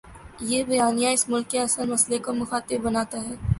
یہ بیانیہ اس ملک کے اصل مسئلے کو مخاطب بناتا ہے۔